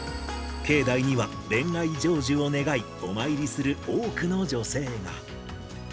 境内には、恋愛成就を願い、お参りする多くの女性が。